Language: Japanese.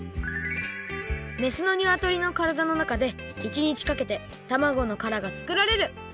めすのにわとりのからだのなかで１日かけてたまごのからがつくられる。